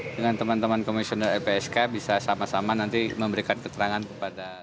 dengan teman teman komisioner lpsk bisa sama sama nanti memberikan keterangan kepada